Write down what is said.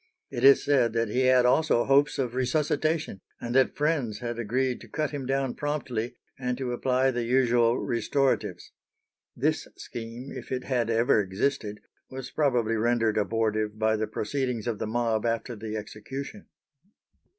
It is said that he had also hopes of resuscitation, and that friends had agreed to cut him down promptly, and to apply the usual restoratives. This scheme, if it had ever existed, was probably rendered abortive by the proceedings of the mob after the execution.